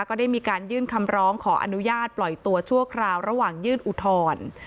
ก็ได้มีการยื่นคำร้องขออนุญาตปล่อยตัวชั่วคราวระหว่างยื่นอุทธรณ์